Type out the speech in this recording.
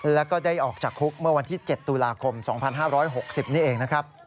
แล้วก็ได้ออกจากคุกเมื่อวันที่๗ตุลาคม๒๕๖๐นี่เองนะครับ